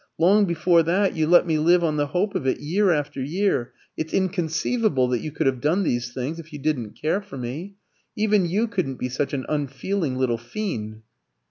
Long before that, you let me live on the hope of it, year after year. It's inconceivable that you could have done these things if you didn't care for me. Even you couldn't be such an unfeeling little fiend."